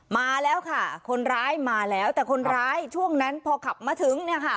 มาแล้วค่ะคนร้ายมาแล้วแต่คนร้ายช่วงนั้นพอขับมาถึงเนี่ยค่ะ